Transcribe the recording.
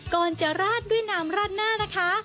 ก่อนจะราดด้วยน้ำราดหน้านะคะ